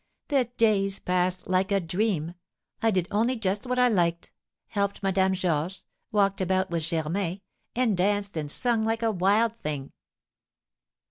The days passed like a dream. I did only just what I liked, helped Madame Georges, walked about with Germain, and danced and sung like a wild thing.